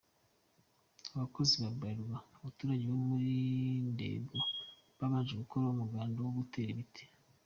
Abakozi ba Bralirwa n'abaturage bo muri Ndego babanje gukora umuganda wo gutera ibiti.